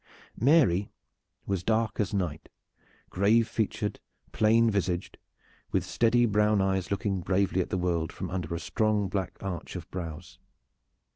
Mary was dark as night, grave featured, plain visaged, with steady brown eyes looking bravely at the world from under a strong black arch of brows.